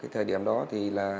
thời điểm đó thì là